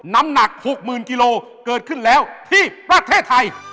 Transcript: น้ำหนัก๖๐๐๐กิโลเกิดขึ้นแล้วที่ประเทศไทย